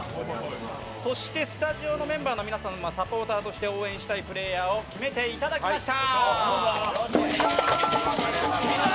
そして、スタジオのメンバーにもサポーターとして応援したいプレーヤーを決めていただきました。